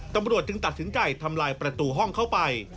ตำรวจจึงตัดสินใจทำลายประตูห้องเข้าไป